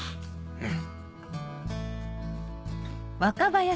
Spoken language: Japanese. うん。